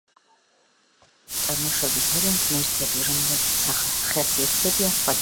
არა ადამიანური წარმოშობის არიან ღმერთები, რომლებიც ხასიათდებიან სხვადასხვაგვარად.